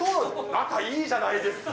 仲いいじゃないですか。